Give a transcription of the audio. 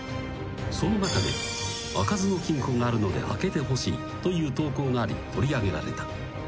［その中で「開かずの金庫があるので開けてほしい」という投稿があり取り上げられた］